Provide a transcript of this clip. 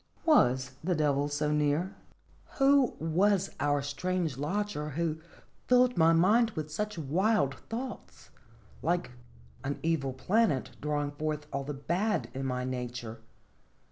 Was the Devil so near? Who was our strange lodger, who filled my mind with such wild thoughts, like an evil planet drawing forth all the bad in my nature?